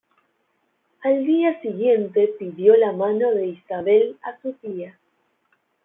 Al día siguiente pidió la mano de Isabel a su tía.